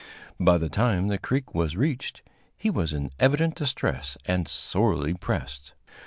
By the time the creek was reached, he was in evident distress and sorely pressed.